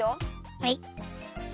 はい。